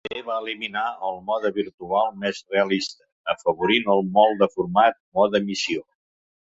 També va eliminar el "Mode Virtual" més realista, afavorint el molt deformat "Mode Missió".